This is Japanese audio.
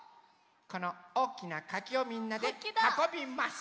このおおきなかきをみんなではこびます。